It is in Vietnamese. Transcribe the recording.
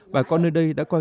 bà con nơi đây đã coi